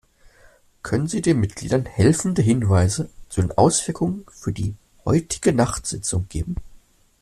Können Sie den Mitgliedern helfende Hinweise zu den Auswirkungen für die heutige Nachtsitzung geben?